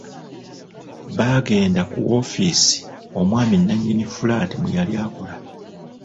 Baagenda ku woofiisi omwami nnannyini fulaati mwe yali akola.